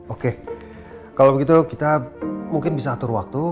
oke kalau begitu kita mungkin bisa atur waktu